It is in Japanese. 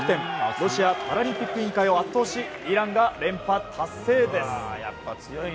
ロシアパラリンピック委員会を圧倒しイランが連覇達成です。